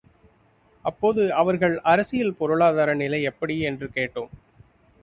அப்போது அவர்கள் அரசியல் பொருளாதார நிலை எப்படி என்று கேட்டோம்.